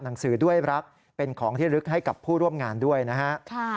หนังสือด้วยรักเป็นของที่ลึกให้กับผู้ร่วมงานด้วยนะฮะ